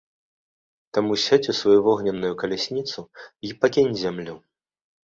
Таму сядзь у сваю вогненную калясніцу й пакінь зямлю!